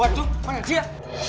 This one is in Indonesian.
waduh mana dia